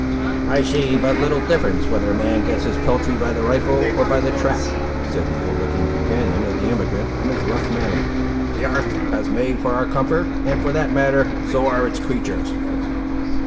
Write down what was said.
"I see but little difference whether a man gets his peltry by the rifle or by the trap," said the ill looking companion of the emigrant, in his rough manner. "The 'arth was made for our comfort; and, for that matter, so ar' its creatur's."